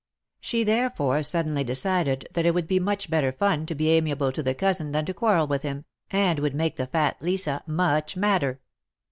She therefore suddenly decided that it would be much better fun to be amiable to 'Hhe cousin" than to quarrel with him, *^and would make the fat Lisa much madder."